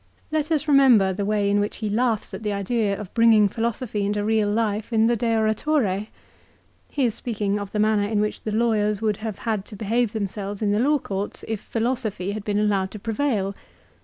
Let us remember the way in which he laughs at the idea of bringing philosophy into real life in the "De Oratore." He is speaking of the manner in which the lawyers would have had to behave themselves in the law courts if philosophy had been allowed to prevail.